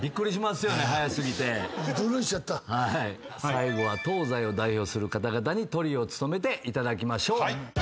最後は東西を代表する方々にトリを務めていただきましょう。